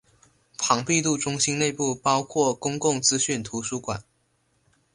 庞毕度中心内部包括公共资讯图书馆。